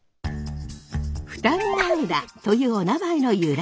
二見浦というおなまえの由来。